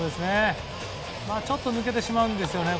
ちょっと抜けてしまうんですよね。